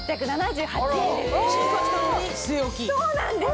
そうなんです！